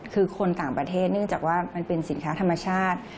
คือคนต่างประเทศเนื่องจากว่ามันเป็นสินค้าธรรมชาติ